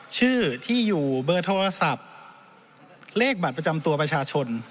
ชื่อที่อยู่เบอร์โทรศัพท์เลขบัตรประจำตัวประชาชน